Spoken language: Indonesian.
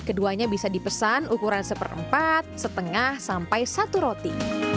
keduanya bisa dipesan ukuran seperempat setengah sampai satu roti